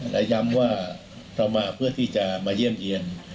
และย้ำว่าเรามาเพื่อที่จะมาเยี่ยมเยี่ยน